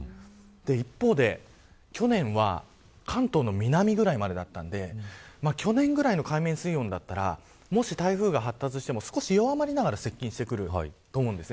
一方で、去年は関東の南ぐらいまでだったんで去年ぐらいの海面水温だったらもし、台風が発達しても弱まりながら接近してくると思うんです。